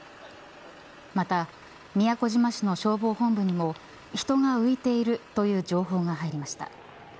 また宮古島市の消防本部にも人が浮いているという情報が入りました。